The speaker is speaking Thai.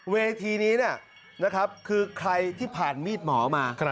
เวทีนี้นะครับคือใครที่ผ่านมีดหมอมา